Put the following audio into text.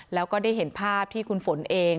แล้วก็ได้เห็นภาพที่คุณฝนเอง